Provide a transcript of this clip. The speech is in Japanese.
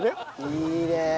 いいねえ。